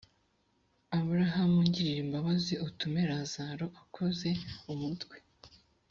aburahamu h ngirira imbabazi utume lazaro akoze umutwe